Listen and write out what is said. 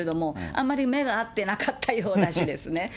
あんまり目が合ってなかったような話ですね。